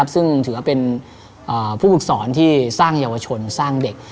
ซึ่งถือว่าเป็นผู้ฝึกสอนที่สร้างเยาวชนสร้างเด็ก